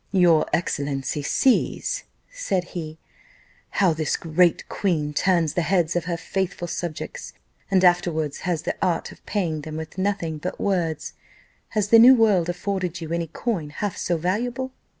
"Your excellency sees," said he, "how this great queen turns the heads of her faithful subjects, and afterwards has the art of paying them with nothing but words. Has the new world afforded you any coin half so valuable?"